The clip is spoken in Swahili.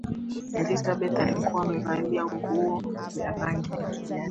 elizabeth alikuwa amevalia nguo ya rangi ya kijani